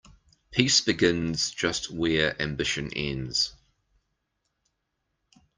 Peace begins just where ambition ends.